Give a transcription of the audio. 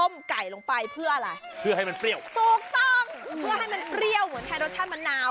ไม่ต้องเพื่อให้มันเปรี้ยวเหมือนแทนรสชาติมะนาว